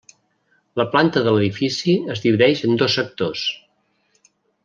La planta de l'edifici es divideix en dos sectors.